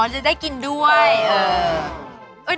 จะได้กินด้วย